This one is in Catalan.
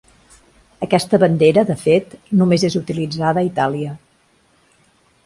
Aquesta bandera, de fet, només és utilitzada a Itàlia.